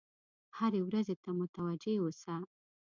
هرې ورځې ته متوجه اوسه.